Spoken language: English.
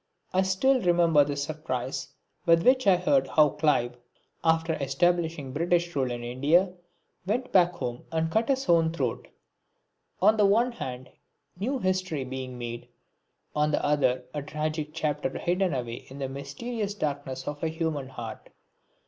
I still remember the surprise with which I heard how Clive, after establishing British rule in India, went back home and cut his own throat. On the one hand new history being made, on the other a tragic chapter hidden away in the mysterious darkness of a human heart.